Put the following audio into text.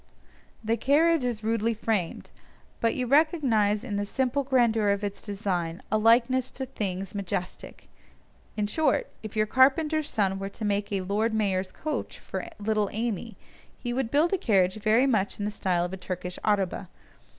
The carriage is rudely framed, but you recognise in the simple grandeur of its design a likeness to things majestic; in short, if your carpenter's son were to make a "Lord Mayor's coach" for little Amy, he would build a carriage very much in the style of a Turkish araba.